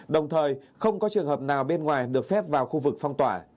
đồng thời không có trường hợp nào bên ngoài được phép vào khu vực phong tỏa